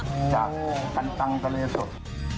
จากอันตังทะเลสด